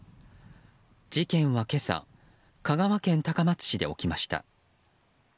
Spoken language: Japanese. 事件は今朝香川県高松市で起きました。